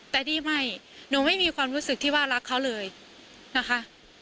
แต่นี่ไม่หนูไม่มีความรู้สึกที่ว่ารักเขาเลยนะคะ